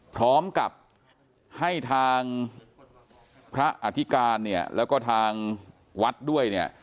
พร้อมกับให้ทางพระอธิการเนี่ยแล้วก็ทางวัดด้วยเนี่ย